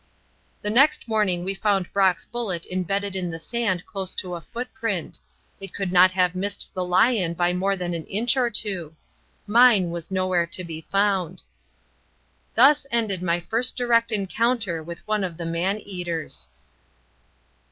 The next morning we found Brock's bullet embedded in the sand close to a footprint; it could not have missed the lion by more than an inch or two. Mine was nowhere to be found. Thus ended my first direct encounter with one of the man eaters.